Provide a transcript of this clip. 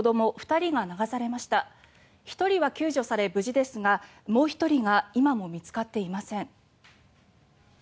１人は救助され無事ですがもう１人が今も見つかっていません。